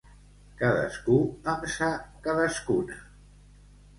Cadascú amb sa cadascuna.